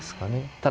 ただ。